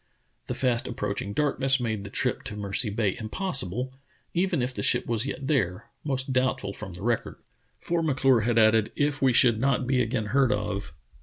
The fast approaching darkness made the trip to Mercy Bay im possible, even if the ship was yet there — most doubtful from the record. For M'Clure had added: "If we should not be again heard of